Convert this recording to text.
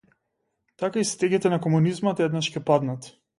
Така и стегите на комунизмот еднаш ќе паднат.